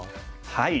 はい！